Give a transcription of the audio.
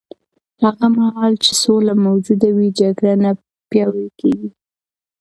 هغه مهال چې سوله موجوده وي، جګړه نه پیاوړې کېږي.